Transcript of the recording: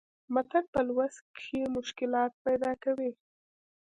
متن پۀ لوست کښې مشکلات پېدا کوي